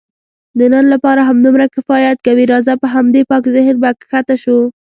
د نن لپاره همدومره کفایت کوي، راځه په همدې پاک ذهن به کښته شو.